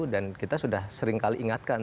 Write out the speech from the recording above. kita sudah seringkali ingatkan